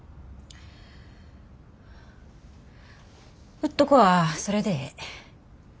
うっとこはそれでええ。